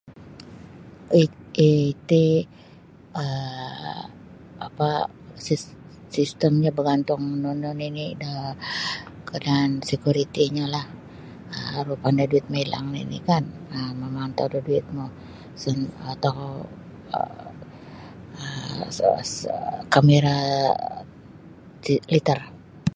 Ii iti um apa' sis sistemnyo bagantung nunu nini' da kaadaan sekuritinyolah aru pandai duit mailang nini' kan um mamantau da duit no sa atau sa sa kamera li litar.